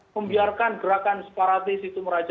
membiarkan gerakan separatis itu merajut